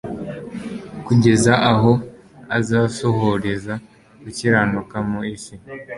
kugeza aho azasohoreza gukiranuka mu isi